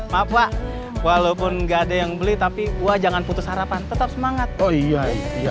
maaf walaupun gak ada yang beli tapi gua jangan putus harapan tetap semangat oh iya iya iya